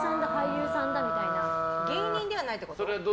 芸人ではないってこと？